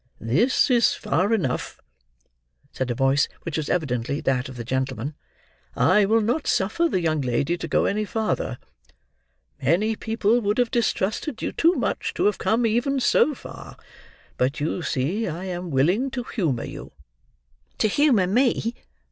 "This is far enough," said a voice, which was evidently that of the gentleman. "I will not suffer the young lady to go any farther. Many people would have distrusted you too much to have come even so far, but you see I am willing to humour you." "To humour me!"